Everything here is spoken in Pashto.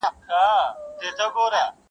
پلار یې ویل څارنوال ته وخت تېرېږي-